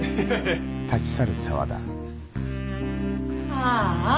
ああ。